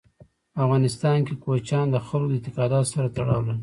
په افغانستان کې کوچیان د خلکو د اعتقاداتو سره تړاو لري.